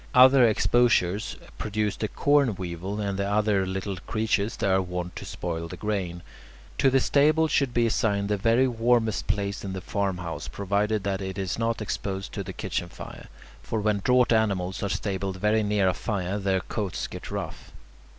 Other exposures produce the corn weevil and the other little creatures that are wont to spoil the grain. To the stable should be assigned the very warmest place in the farmhouse, provided that it is not exposed to the kitchen fire; for when draught animals are stabled very near a fire, their coats get rough.